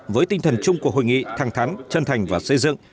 với tinh thần chung của hội nghị thẳng thắn chân thành và xây dựng